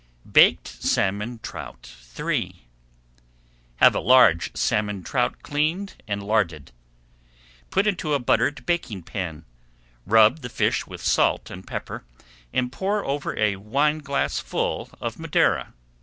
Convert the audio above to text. BAKED SALMON TROUT III Have a large salmon trout cleaned and larded. Put into a buttered baking pan, rub the fish with salt and pepper, and pour over a wineglassful of Madeira.